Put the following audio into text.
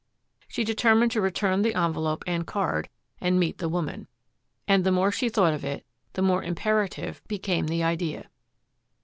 She determined to return the envelope and card, and meet the woman. And the more she thought of it the more imperative became the idea.